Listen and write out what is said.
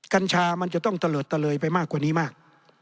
กัญชามันจะต้องเตลิดตะเลยไปมากกว่านี้มาก